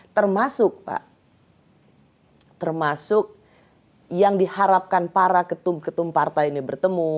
termasuk pak termasuk yang diharapkan para ketum ketum partai ini bertemu